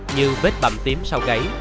như vết bầm tím sau gáy